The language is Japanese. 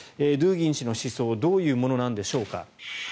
ドゥーギン氏の思想どういうものなんでしょうか。